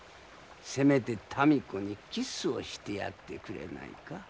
せめて民子にキスをしてやってくれないか？